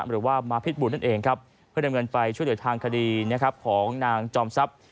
หรือว่ามาพิษบุญนั่นเองเพื่อดำเงินไปช่วยเดินทางคดีของนางจอมทรัพย์